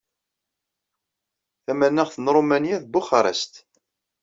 Tamanaɣt n Ṛumanya d Buxarest.